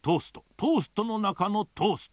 トーストのなかのトースト。